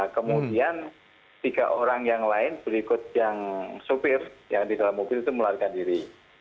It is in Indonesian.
kemudian tiga orang yang lain berikut yang sopir yang di dalam mobil itu melarikan diri